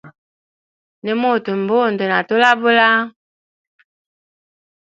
Nimuta mbundu na tulabula.